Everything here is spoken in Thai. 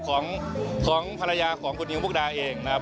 ของภรรยาของคุณยิงปุ๊กดาเองนะครับ